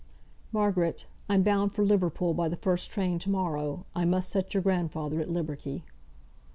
"Margaret, I'm bound for Liverpool by the first train to morrow; I must set your grandfather at liberty."